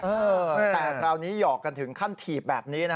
เออแต่คราวนี้หยอกกันถึงขั้นถีบแบบนี้นะ